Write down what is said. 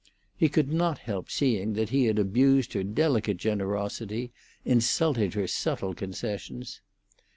He could not help seeing that he had abused her delicate generosity, insulted her subtle concessions.